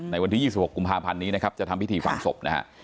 วันที่๒๖กุมภาพันธ์นี้นะครับจะทำพิธีฝังศพนะฮะ